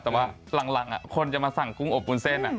แต่ว่าหลังคนจะมาสั่งกุ้งอบวุ้นเส้น